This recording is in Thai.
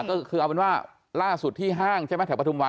ก็คือเอาเป็นว่าล่าสุดที่ห้างใช่ไหมแถวปฐุมวัน